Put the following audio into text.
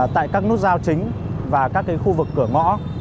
tại các nút giao chính và các khu vực cửa ngõ